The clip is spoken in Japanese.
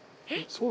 そう。